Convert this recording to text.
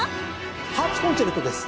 ハーツコンチェルトです。